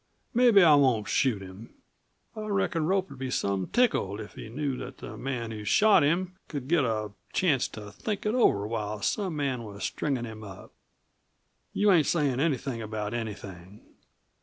Mebbe I won't shoot him. I reckon Rope'd be some tickled if he'd know that the man who shot him could get a chance to think it over while some man was stringin' him up. You ain't sayin' anything about anything."